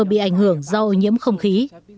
bị ảnh hưởng do ô nhiễm không khí